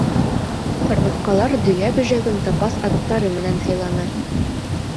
Ҡырмыҫҡалар Дөйә бөжәген запас аҙыҡтары менән һыйланы.